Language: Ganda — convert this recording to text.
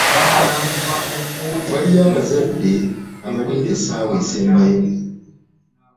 Waliyo abazadde abalinda essaawa esembayo.